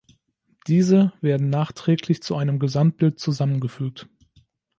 Diese werden nachträglich zu einem Gesamtbild zusammengefügt.